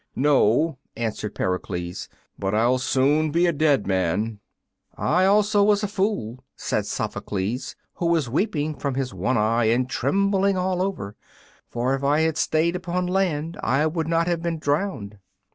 "No," answered Pericles, "but I'll soon be a dead man." "I also was a fool," said Sophocles, who was weeping from his one eye and trembling all over, "for if I had stayed upon land I would not have been drowned."